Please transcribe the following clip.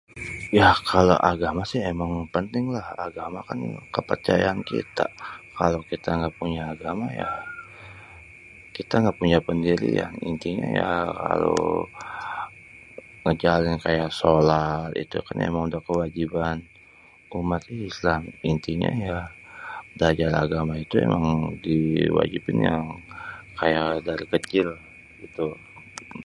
ya kalo agama sih pénting lah.. agama kan kepercayaan kita.. kalo kita ngga punya agama ya kita ngga punya péndirian.. intinya ya kalo ngejalanin kayak sholat itu kan émang udah kewajiban umat islam.. intinya ya bélajar agama itu diwajibin yang kaya dari kecil gitu..